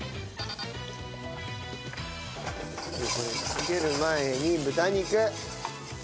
焦げる前に豚肉。